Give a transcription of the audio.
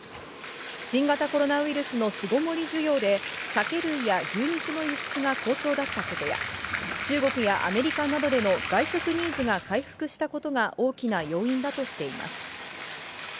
新型コロナウイルスの巣ごもり需要で、酒類や牛肉の輸出が好調だったことや、中国やアメリカなどでの外食ニーズが回復したことが大きな要因だとしています。